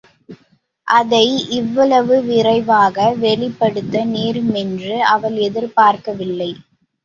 அதை இவ்வளவு விரைவாக வெளிப்படுத்த நேருமென்று அவள் எதிர்பார்க்கவில்லை.